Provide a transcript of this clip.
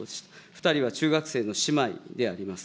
２人は中学生の姉妹であります。